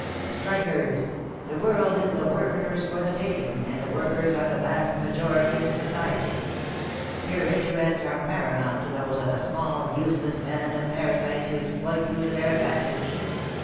"Strikers, the world is the workers' for the taking, and the workers are the vast majority in society. Your interests are paramount to those of a small, useless band of parasites who exploit you to their advantage.